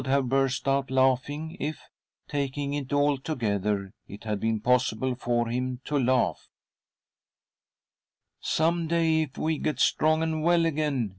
''■■)\( THE DEATH CART 49 burst but laughing if, taking it aft together, it had been possible for him to laugh. *?■' Some day, if we get strong and well again —